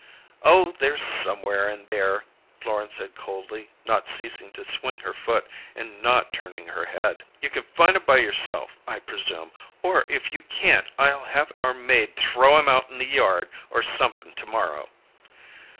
"Oh, they're somewhere in there," Florence said coldly, not ceasing to swing her foot, and not turning her head. "You can find 'em by yourself, I presume, or if you can't I'll have our maid throw 'em out in the yard or somep'n to morrow."